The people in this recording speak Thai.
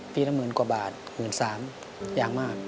ปีละหมื่นกว่าบาทหมื่นสามอย่างมาก